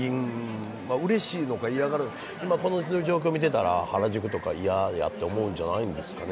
嬉しいのか嫌がるのかこの状況を見てたら、原宿とか嫌やと思うんじゃないですかね。